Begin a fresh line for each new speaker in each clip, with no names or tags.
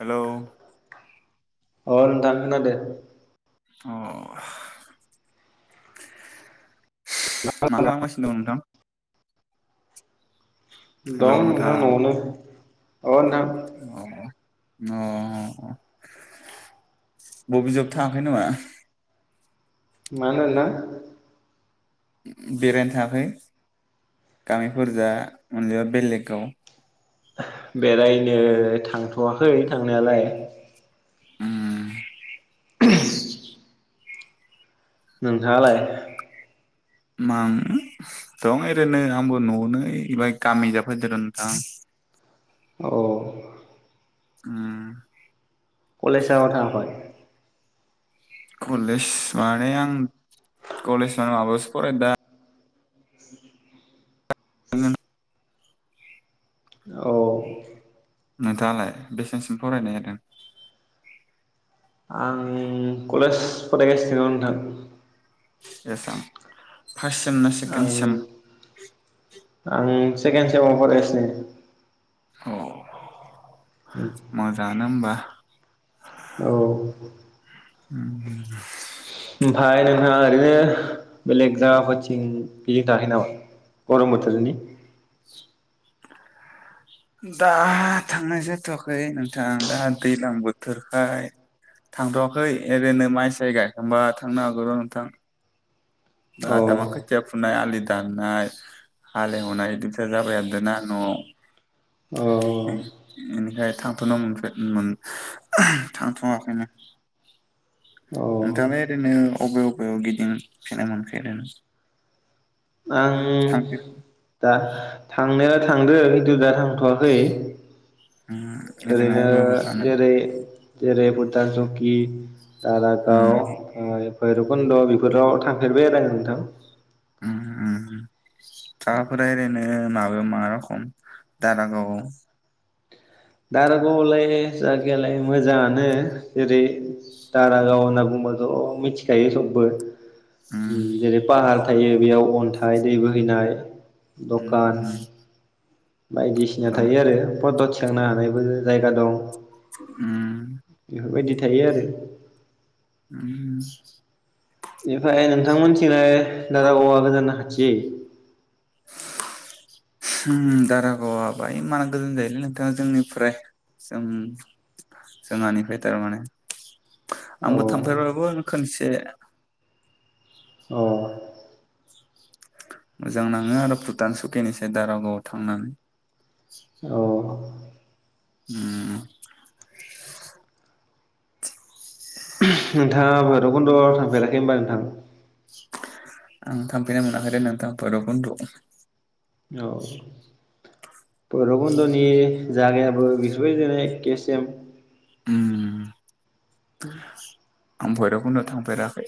Hello
अ नोंथां खोनादों
अ मा खालामगासिनो दं नोंथां?
दं नोंथां न'वानो औ नोंथां
अ अ बबे जौबथाङाखै नामा?
मानोना
बेरायनो थाङाखै गामिफोरजा [unintelligible] बेलेगाव
बेरायनो थांथ थवाखै थांनायालाय
उम [inaudible]
नोंहालाय
[unintelligible] दं ओरैनो आंबो नआवनो ओइ बाइ गामिजा फायदो र नोंथां
अ
ओम
कलेसाव थांआखै?
कलेज माने आं कलेज माबासो फरायो दा
[inaudible]
दा
औ
नोंथाङालाय बेसेनसिम फरायनाय जादों?
आं कलेज फरायगासिनो नोंथां।
बेसां? फार्स्ट सेम ना
आं
सेकेण्डसेम?
आं सेकेणड सेमआव फरायगासिनो।
अ मोजाङानो होमबा। [inaudible]
औ
ओम ओम
ओमफाय नोंथाङा ओरैनो बेलेग जायगाफोरथिं गिदिंनो थांङाखै नामा? गरम बोथोरनि
दा थांनाय जाथवाखै नोंथां दा दैज्लां बोथोरखाय थांथवाखै ओरैनो माइ साय गायखांबा थांनो हागौ र नोंथां।
अ
[unintelligible] खोथिया फुनाय आलि दाननाय हालेवनाय बिदियाजाबाय हादोना आं नआव इनिखाइ थांथनो मोनाखै थांथवाखैनो
अ
नोंथाङालाइ ओरैनो अबे अबे गिदिंफेरनो मोनफेरदों?
आं दा थांनाया थांदो किनटु दा थवाखै ओरैनो
अबे अबे जानो
जेरै जेरै बुतान जुखि
उम
दारागाव भैरबकुन्द बेफोराव थांफेरबाय आरो नोंथां।
ओहो ओमहो जागाफोरा ओरैनो माबा मा रखम दारागावाव?
दारगावआवलाय जायगायालाय मोजाङानो जेरै दारागाव होनना बुंबाथ मिथिखायो सबबो
उम
जेरै पाहार थायो बेयाव अन्था थाय दै बोहैनाय
उम
दखान
उम
बायदिसिना
औ
थायो आरो थांनो हानायबो जायगा दं
[inaudible]
बेबायदि थायो आरो
ओ
ओमफ्राय नोंथांमोनथिंलाय दारागावा गोजान ना खाथि
दारागावा बाय मान गोजोन जायोलै नोंथाङा जोंनिफ्राय जों जोंहानिफ्राय थारमाने
औ
आंबो थांफेरबाबो खसै ए
औ
मोजां नांङो आरो भुटान स खैनोसै दारागावआव थांनानै
औ
उम
नोंथाङा बैरुबकदयाव थांफेराखै नोंथां
आं थांफैनो मोनाखै लै नोंथां भैरकन्नद
औ बैरुकडनि जागायाबो बेफोरबायना एके सेम उम
आं भैरुबखडवाव थांफेराखै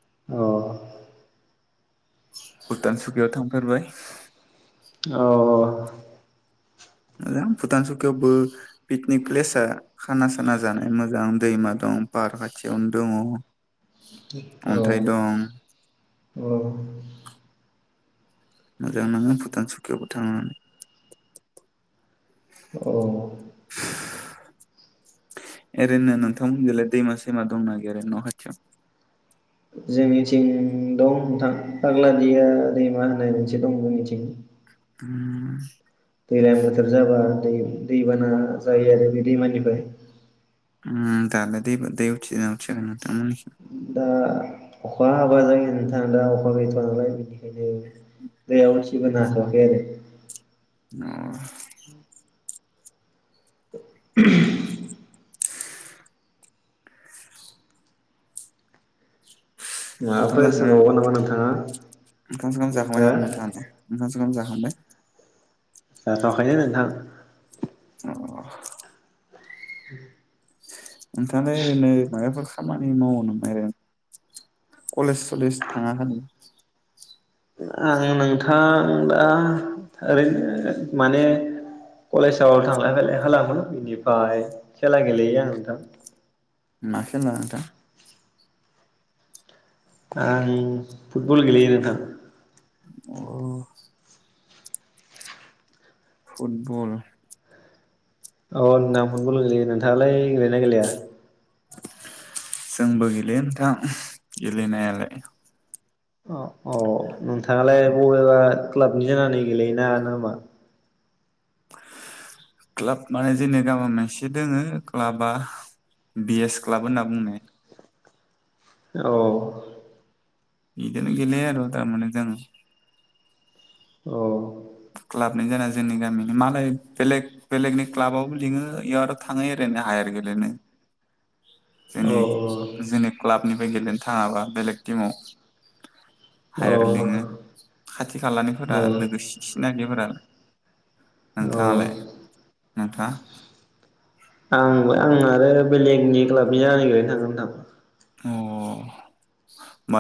औ
भुटानसुकियाव थांफेरारबाय
औ
भुतान सौखियावबो पकनिक प्लेसा खाना साना जानाय मोजां दैमा दं पार खाथियावनो दंङ अन्थाइ दं
अ
मोजां नांगोन भुटान सुकियावबो थांनानै
औ
ओरैनो नोंथांमोनजोंलाय दैमा सैमा दंना गैया न खाथियाव
जोंनिथिं दं नोंथां आग्लादिया दैमा होननाय मोनसे दं जोंनिथिं
उम
दैज्लां बोथोर जाबा दै दैबाना जायो आरो बे दैमानिफ्राय
उम दानो दैबो दै उथिनािगोन नोंथां मोनथिं
दा अखा हाबा जायो नोंथा दा अखा गैथवा नालाय बेनिखायनो दैया उसिबोनो हाथवाथै एह
[unintelligible] [inaudible] ओंखाम
माबाफोर
जाखांबाय नामा
सोंबावगोन
नोंथां?
नोंथाङा हो
ओंखाम सोंखाम जाखांबाय नामा नोंथां? ओंखाम जाखांबाय ।
जाथ'आखायनो नोंथां ।
अ
[inaudible]
नोंथांआ ओरैनो माबाफोर खामानि मावा नामा एरैनो । कलेज सलेज थाङा होन [inaudible]
आं नोंथां आं दा ओरैनो माने कलेजाव थांलाय फैलाय खालामो इनिफाय खेला गेलेयो आं नोंथां ।
[unintelligible] नोंथां
आं फुटबल गेलेयो नोंथां ।
अ फुटबल
अ नोंथां फुटबल गेलेयो दालाय गेलेयोना गैलेया?
जोंबो गेलेयो नोंथां गेलेनायालाय
अ औ नोंथाङालाय बबेबा क्लाबनि जानानै गेलेयो ना मा?
क्लाब माने जोंनि गामियाव मोनसे दोङो क्लाबा बिएस क्लाब होनना बुंनाय ।
औ
इदोनो गेलेयो आरो टारमाने जों
औ
क्लाबनि जाना जोंनि गामिनि मालाय बेलेग बेलेगनि क्लाबाबो लिङो इयाव आरैनो थाङो ओरैनो हायार गेलेनो ।
औ
जोंनि जोंनि क्लाबनि गेलेनो थाङाबा बेलेग टिमाव हायार
औ
लिङो खाथि खालानिफोरा लोगोसे सिनाकिफोरा । नोंथाङालाय?
आं
नोंथाङा?
आंबो आं आरो बेलेगनि क्लाबनि जानो नागिरनो थांगोन नोंथां ।
अ ।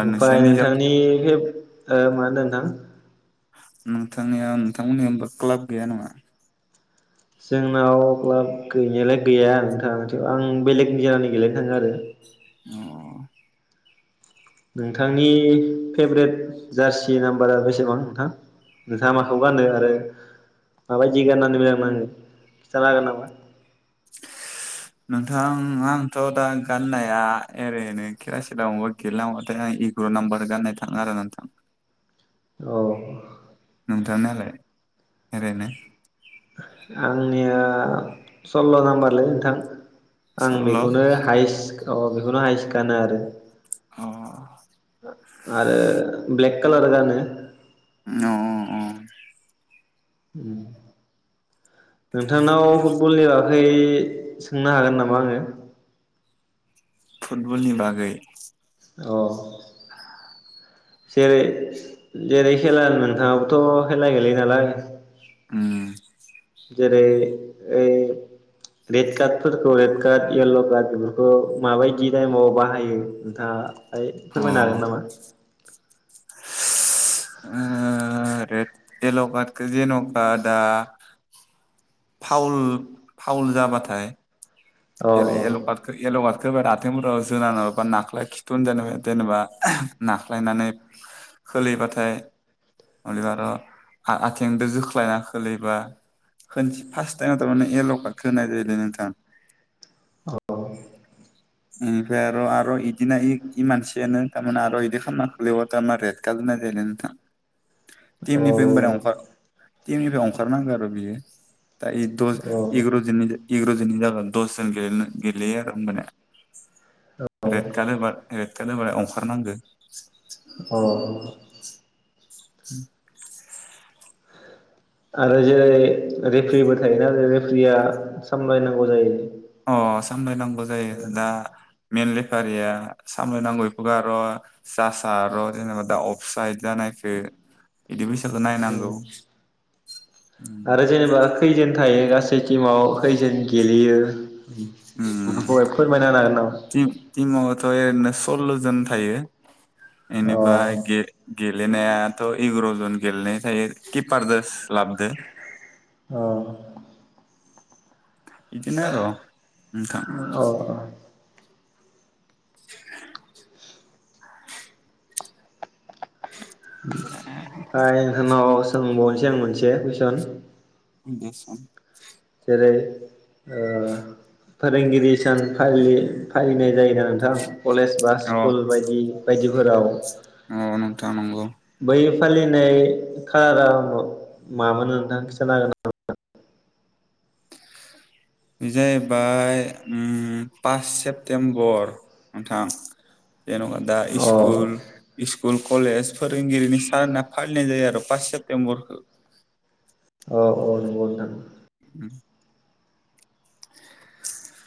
ओमफाय नोंथांनि हेब ओ मा होनदों नोंथां?
नोंथांनियाव नोंथांमोननि क्लाब गैया नङा?
जोंनाव क्लाब गैनायालाय गैया नोंथाङा थेव आं बेलेगनि जानानै गेलेनो थाङो आरो ।
अ ।
नोंथांनि फेभरेट जार्सि नाम्बारा बेसेबां नोंथां? नोंथाङा माखौ गानो आरो माबायदि गाननानै मोजां नाङो? खिथानो हागोन नामा?
नोंथां आंथ दा गाननाया ओरैनो खेला सिलायावबा गेलेनोथांबाथाय आं इग्र नाम्बार गाननाय थाङो आरो नोंथां ।
औ ।
नोंथांनायालाय एरैनो?
आंनिया सल्ल नाम्बारलै नोंथां आं
सल्ल'
बेखौनो हायस्क गा अ बेखौनो हायस गानो आरो।
अ
आरो ब्लेक खालार गानो ।
अ अ अ ।
उम । नोंथांनाव फुटबलनिया ओय सोंनो हागोन नामा आङो?
फुटबलनि बागै
औ । जेरै जेरै खेला होनबा नोंथाङाबो थ खेला गेलेयो नालाय
ओम ।
जेरै ओय रेद काटफोरखौ कार्ड येल्ल कार्ड बेफोरखौ माबायदि टाइमाव बाहायो नोंथाङा
अ
फोरमायनो हागोन
ओ
नामा?
ओ रेद एल्ल कार्ड जेनबा दा [inaudible] फावल फावल जाबाथाय
औ
येल-येल्ल कार्डखौ येल्ल खो आथंफोराव जोना नङाबा नाख्लाया खिथन जेन जेनेबा नाख्लायनानै खोलैबाथाय हलेबा आथेंजों जोख्लायना खोलैबा होन फार्स्ट टाइम' मान एल' काटखौ होनाय जायो दै नोंथां थां
औ
इनिफ्राय आरो आरो बिदिनो इ मानसियानो थारमाने आरो बिदि खालामामना खालबा थारमा रेड काट होनाय जायो नोंथां [unintelligible]
औ
टिमनिफ्राय होमबानिया
औ
अंखार तिमनिफ्राय ओंखारनांगौ आरो बियो दा दज
औ
इगर' जोननि इगर' दनि जागोन दसजोन गेलेयो आरो होमबाने
औ
रेटखाथहोबा [inaudible] अंखारनांगो
अ
[inaudible]
आरो जेरै रेफरिबो थायोना जे रेफ्रिया सामलायनांगौ जायो
अ सामलायनांगौ जायो दा मेले रेफारिया सामलायनांगौ बेखौ' जसार' जेनेबा दा अफ साइद जानायखो बिदि बैसखौ
उम
नायनांगौ उम
आरो जेनेबा खैजोन थायो गासै टिमाव खैजोन गेलेयो बेफोरखौ फोरमायना होनो
उम थिमावथ' एरैनो सल्ल' जन थायो
हागोन
बेनिफ्राय गे गेत गेलेनायाथ' इग्र' जन गेलेनाय थायो किपारजों लाबदो
अ
बिदिनो आरो‌ नोंथां
अ ओमफ्राय
[inaudible]
[inaudible] सोंबावनोसै आं मोनसे कुइसन
दे सों
बे ओ फोरोंगिरि सान फालि फालिनाय जायोना नोंथां कलेज बा
अ
स्कुल बायदि बायदिफोराव
अ नोंथां नंगौ
बै फालिनाय खालारा मामोन नोंथां खिथानो हागोन नामा
बि जाहैबाय उम पास सेप्तेम्बर नोंथां जेनखा दा
अ
इस्कुल इस्कु स्कुल कलेजफोर फोरोंगिरिनि सान होनना फालिनाय जायो आरो पास सेप्तेम्बरखौ
औ औ नंगौ नोंथां
उम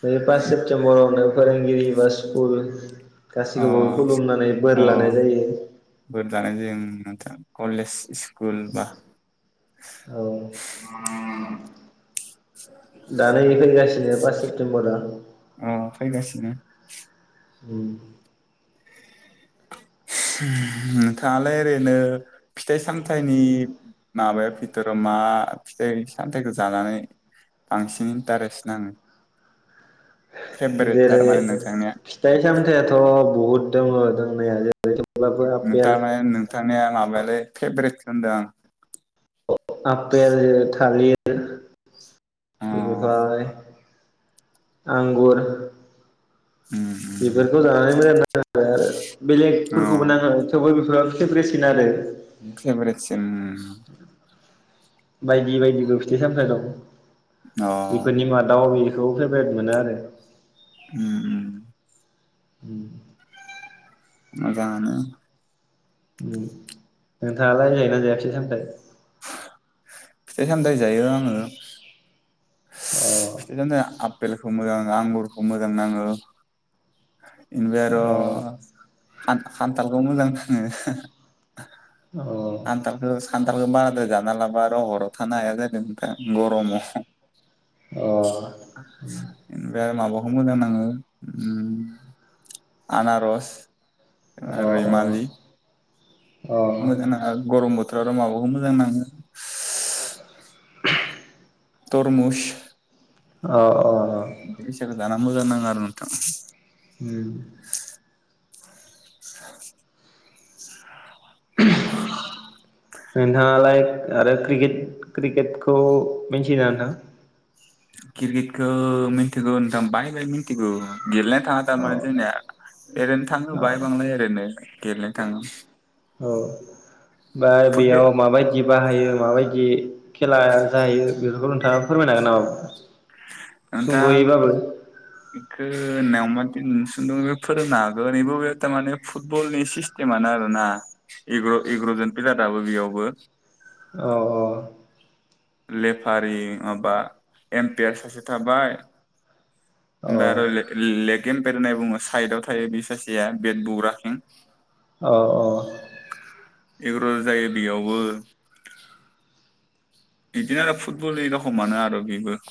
बे पास सेप्टेम्बरावनो फोरोंगिरि बा स्कुल
अ
गासैखौबो खुलुमनानै
अ
बोर लानाय जायो
बोर लानाय जायो नोंथां कलेज स्कुल बा
औ दा नै फैगासिनो पास सेप्तेम्बरा
अ फैगासिनो उम
उम
थाङालै ओरैनो फिथाइ सामथाइनि माबाया बिथोराव मा फिथाइ सामथाइखौ जानानै बांसिन इन्टारेस्ट नाङो फेभरेट
जेरै
थारमाने नोंथांनिया
फिथाइ सामथाइयाथ बहुत दङ दंनाया जेरै थेवब्लाबो आपेल
तारमाने नोंथांनिया माबायालै फेभरेट थानदा
आपेल थालिर दे
अ
बेनिफाय आंगुर
उम
बेफोरखौ जानानै मोजां आरो
अ
बेलेगफोरखौबो नाङो थेवबो बे गोबां फेब्रेसिन आरो
फेबेरेदसिन
बायदि बायदिबो फिथाइ सामथाइ
अ
बुजियाखै बेफोरनि मादाव बेनो खौ फेभरेट मोनो आरो
उम उम
उम
मोजांआनो
उ नोंथाङालाय जायोना जाया फिथायखौ?
फिथाइ सामथाइ जायो आङो
अ
इदिनो आपेलखौ मोजां आंगुरखौ मोजां नाङो ओमफाय आरो
अ
खान खान्थालखौ मोजां नाङो
अ
आनथालखौ सान आव मादा जाना लाब आरो हराव थानो हाया जागोन गरम ओमफ्राय आरो माबाव मोजां नाङो उम आनारस रैमालि
अ
मोजां नाङो गरम बो थोराव माबाखौ मोजां नाङो तरमुस
अ अ अ
बि हिसाबै जाना मोजां नाङो आरो नोंथां।
उम
[inaudible]
[inaudible] नोंथाङालाय आरो क्रिकेट क्रिकेटखौ मिथियो ना नोंथां?
क्रिकेटखौ मिथिगौ नोंथां बाहाय बाहाय मिथिगौ गेलेना थाङा थारमाने जोंनिया
औ
ओरैनो थांनो होबाय
औ
बांलाय ओरैनो गेलेनो थाङो
औ बा
फुटबल
बेयाव माबायदि बाहायो माबायदि खेला जायो बेफोरखौ नोंथाङा फोरमायनो हागोन नामा?
नोंथां
सुंद'यैबाबो
खौनो मादिन सुंदो फोरोंनो हागोन नैबो बे थारमाने फुटबलनि सिस्टेमानो आरोना एग्र एग्र'जन प्लेयाराबो बेयावबो
अ अ
लेफारि माबा एम्पायार सासे थाबाय ओमफाय आरो ले लेग एम्पायार होननाय बुङो साइदव थायो बे सासेया बेट बुग्राथिं
औ औ
[unintelligible] जायो बेयावबो बिदिनो आरो फुटबलनि र'खमानो आरो बिबो